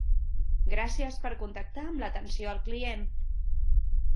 Gràcies per contactar amb l'atenció al client.